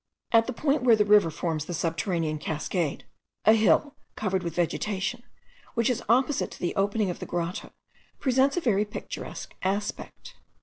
At the point where the river forms the subterranean cascade, a hill covered with vegetation, which is opposite to the opening of the grotto, presents a very picturesque aspect.